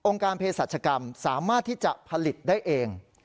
การเพศรัชกรรมสามารถที่จะผลิตได้เอง